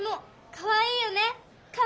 かわいいよね！